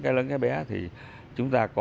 cái lớn cái bé thì chúng ta có